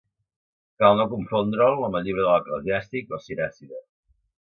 Cal no confondre'l amb el Llibre de l'Eclesiàstic o Siràcida.